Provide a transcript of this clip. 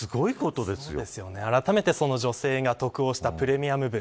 あらためてその女性が得をしたプレミアム分。